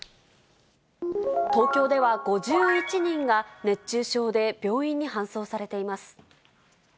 東京では５１人が熱中症で病院に搬送されています。